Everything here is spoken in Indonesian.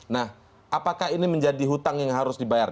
nah apakah ini menjadi hutang yang harus dibayar